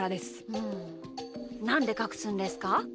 うんなんでかくすんですか？